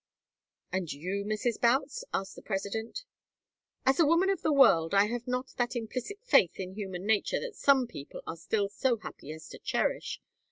"And you, Mrs. Boutts?" asked the President. "As a woman of the world I have not that implicit faith in human nature that some people are still so happy as to cherish.